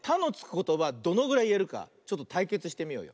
ことばどのぐらいいえるかちょっとたいけつしてみようよ。